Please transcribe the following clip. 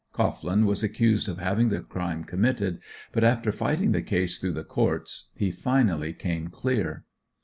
Cohglin was accused of having the crime committed, but after fighting the case through the courts, he finally came clear.